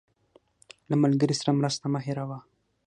له ملګري سره مرسته مه هېروه.